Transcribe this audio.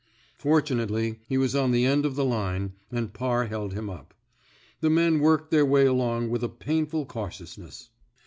Fortunately, he was on the end of the line, and Parr held him up. The men worked their way along with a painful cautiousness.